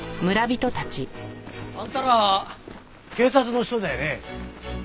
あんたら警察の人だよね？